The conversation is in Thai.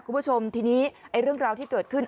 คุณผู้ชมทีนี้เรื่องราวที่เกิดขึ้น